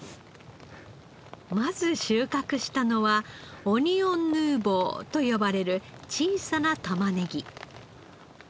まず収穫したのはオニオンヌーボーと呼ばれる小さなタマネギ。